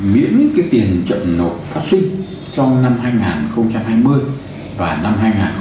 miễn cái tiền chậm nộp phát sinh trong năm hai nghìn hai mươi và năm hai nghìn hai mươi một